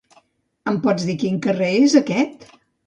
Em pots dir quin carrer es aquest?